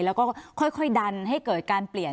แล้วก็ค่อยดันให้เกิดการเปลี่ยน